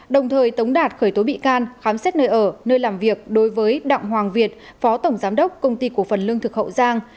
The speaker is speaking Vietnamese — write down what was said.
đồng thời tống đạt khởi tố bị can khám xét nơi ở nơi làm việc đối với đặng hoàng việt phó tổng giám đốc công ty cổ phần lương thực hậu giang